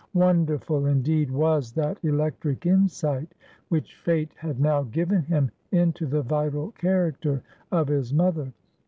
Wonderful, indeed, was that electric insight which Fate had now given him into the vital character of his mother.